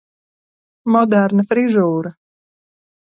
Moderna frizūra